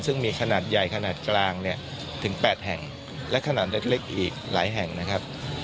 ซึ่งมีขนาดใหญ่ขนาดกลางเนี่ยถึง๘แห่งและขนาดเล็กอีกหลายแห่งนะครับ